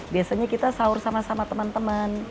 biasanya kita sahur sama sama teman teman